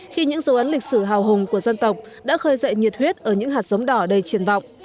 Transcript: khi những dấu ấn lịch sử hào hùng của dân tộc đã khơi dậy nhiệt huyết ở những hạt giống đỏ đầy triển vọng